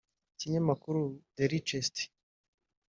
Ikinyamakuru The Richest